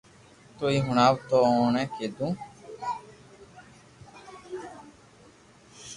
تو ھي ھڻاو تو اوڻي ڪيدو